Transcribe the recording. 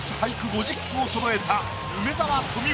５０句をそろえた梅沢富美男。